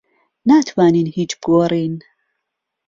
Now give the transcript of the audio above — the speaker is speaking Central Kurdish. ناتوانین هیچ بگۆڕین.